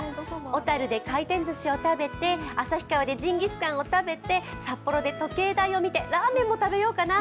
小樽で海鮮ずしを食べて旭川でジンギスカンを食べて、札幌で時計台を見て、ラーメンも食べようかな。